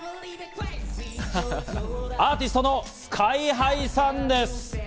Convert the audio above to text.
アーティストのＳＫＹ−ＨＩさんです。